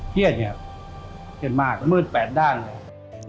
เทียดเทียดมากมืดแปดด้านเลย